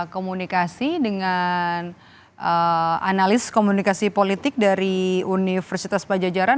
komunikasi dengan analis komunikasi politik dari universitas pajajaran